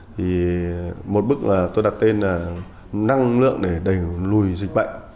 thì một bức là tôi đặt tên là năng lượng để đẩy lùi dịch bệnh